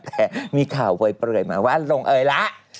แต่มีข่าวเวย์เปรื่อยมาว่าลงเอ๋ละ